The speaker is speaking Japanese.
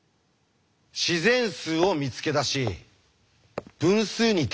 自然数を見つけ出し分数にたどりつき